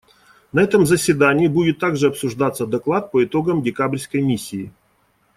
На этом заседании будет также обсуждаться доклад по итогам декабрьской миссии.